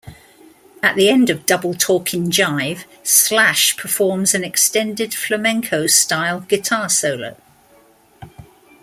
At the end of "Double Talkin' Jive" Slash performs an extended flamenco-style guitar solo.